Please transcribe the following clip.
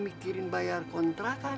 mikirin bayar kontrakan